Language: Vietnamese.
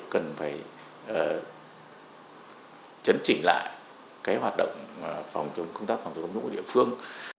cần phải chấn chỉnh lại hoạt động công tác phòng chống tham nhũng của địa phương